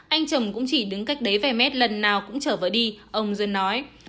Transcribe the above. anh chồng cũng chỉ đứng cách đấy vài mét lần nào cũng trở vỡ đi ông duân nói